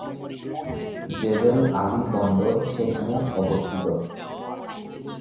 জেবেল Ali বন্দর সেখানে অবস্থিত।